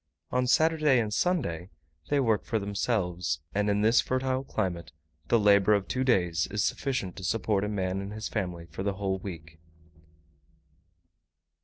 On Saturday and Sunday they work for themselves, and in this fertile climate the labour of two days is sufficient to support a man and his family for the whole week.